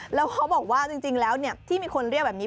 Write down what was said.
แล้วเขาบอกว่าจริงแล้วที่มีคนเรียกแบบนี้